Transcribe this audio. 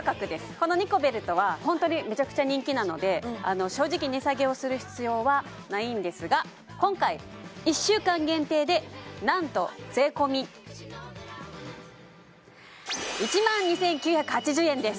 このニコベルトはホントにめちゃくちゃ人気なので正直値下げをする必要はないんですが今回１週間限定でなんと税込１万２９８０円です！